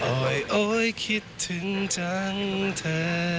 โอ๊ยคิดถึงจังเธอ